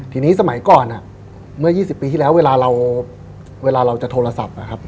ทีนี้สมัยก่อนเมื่อ๒๐ปีที่แล้วเวลาเราจะโทรศัพท์